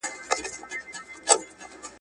مدير وويل چې بايد توازن رامنځته سي.